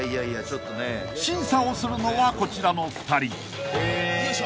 ［審査をするのはこちらの２人］